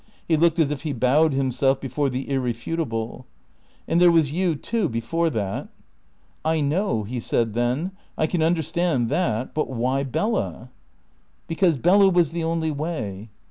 He looked as if he bowed himself before the irrefutable. "And there was you, too, before that." "I know," he said then; "I can understand that. But why Bella?" "Because Bella was the only way."